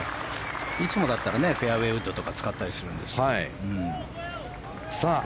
いつもだったらフェアウェーウッドとか使ったりするんですけど。